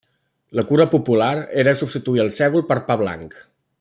La cura popular era substituir el sègol per pa blanc.